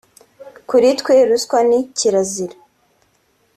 kuri twe ruswa ni kirazira”